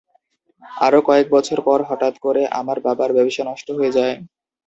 আরো কয়েক বছর পর হঠাত করে আমার বাবার ব্যবসা নষ্ট হয়ে যায়।